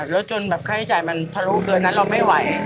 แล้วจนแบบไข้จ่ายมันพรุกเกิดนั้นเราไม่ไหว